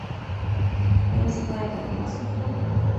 ایا زه باید اناناس وخورم؟